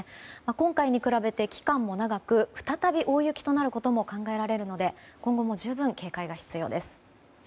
今回に比べて期間も長く再び大雪になることも考えられるので今後も十分警戒が必要です。